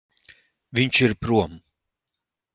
Viņš ir prom.